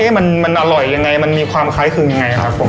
เอ๊ะมันมันอร่อยยังไงมันมีความคล้ายคือยังไงครับผม